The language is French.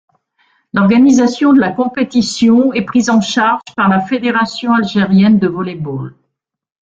L'organisation de la compétition est prise en charge par la Fédération algérienne de volley-ball.